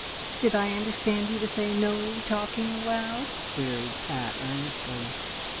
"Did I understand you to say no talking allowed?" queried Pat earnestly.